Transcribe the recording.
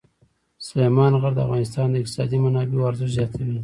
سلیمان غر د افغانستان د اقتصادي منابعو ارزښت زیاتوي.